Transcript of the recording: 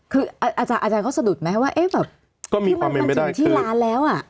คืออาจารย์เขาสะดุดไหมว่ามันจริงที่ร้านแล้ว